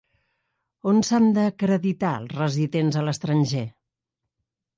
On s'han d'acreditar els residents a l'estranger?